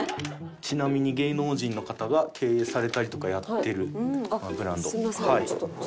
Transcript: ちなみに芸能人の方が経営されたりとかやってるブランド。